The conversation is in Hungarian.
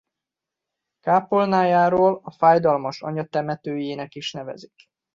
Kápolnájáról a Fájdalmas Anya temetőjének is nevezik.